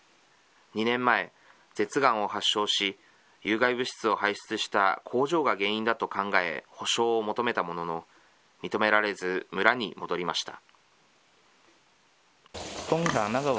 ２年前、舌がんを発症し、有害物質を排出した工場が原因だと考え、補償を求めたものの、認められず村に戻りました。